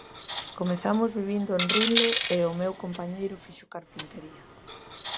Comezamos vivindo en Rinlo e o meu compañeiro fixo carpintería.